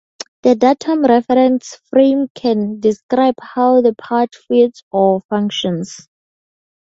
The datum reference frame can describe how the part fits or functions.